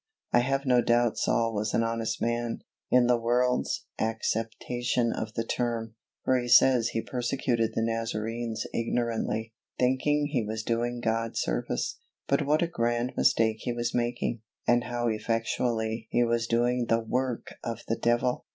I have no doubt Saul was an honest man, in the world's acceptation of the term, for he says he persecuted the Nazarenes ignorantly, thinking he was doing God service; but what a grand mistake he was making, and how effectually he was doing the _work of the devil!